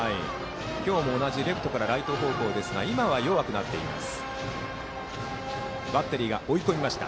今日も同じレフトからライト方向ですがその風は今は弱くなっています。